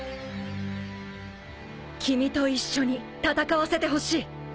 君と一緒に戦わせてほしい。